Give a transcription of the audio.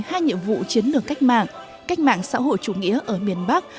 hai nhiệm vụ chiến lược cách mạng cách mạng xã hội chủ nghĩa ở miền bắc